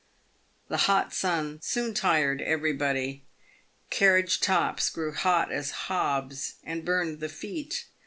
The hot sun soon tired every body. Carriage tops grew hot as hobs, and burned the feet.